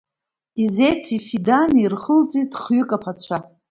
Изеҭи Фидани ирхылҵит зхҩык аԥацәа…